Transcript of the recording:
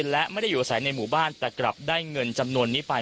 และไม่ได้อยู่อาศัยในหมู่บ้านแต่กลับได้เงินจำนวนนี้ไป